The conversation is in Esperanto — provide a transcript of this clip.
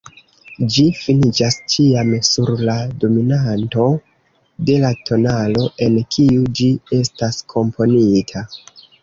Ĝi finiĝas ĉiam sur la dominanto de la tonalo, en kiu ĝi estas komponita.